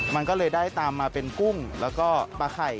มันก็เลยได้ตามมาเป็นกุ้งแล้วก็ปลาไข่